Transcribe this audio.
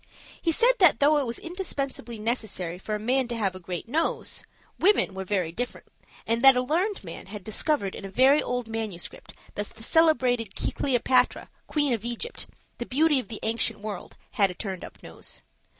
He said that though it was indispensably necessary for a man to have a great nose, women were very different; and that a learned man had discovered in a very old manuscript that the celebrated Cleopatra, Queen of Egypt, the beauty of the ancient world, had a turned up nose.